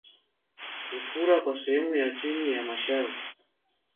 Kufura kwa sehemu ya chini ya mashavu